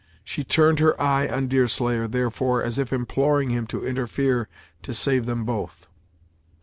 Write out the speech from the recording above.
She turned her eye on Deerslayer, therefore, as if imploring him to interfere to save them both.